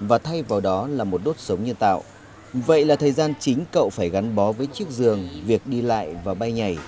và thay vào đó là một đốt sống nhân tạo vậy là thời gian chính cậu phải gắn bó với chiếc giường việc đi lại và bay nhảy